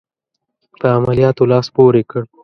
په عملیاتو لاس پوري کړ.